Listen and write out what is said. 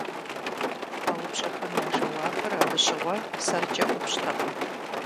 А упщӀэхэм я жэуапыр абы щыгъуэ сэркӀэ ӀупщӀтэкъым.